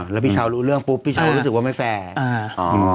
แล้วพี่เช้ารู้เรื่องปุ๊บพี่เช้ารู้สึกว่าไม่แฟร์